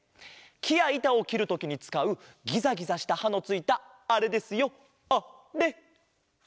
きやいたをきるときにつかうギザギザしたはのついたあれですよあれ！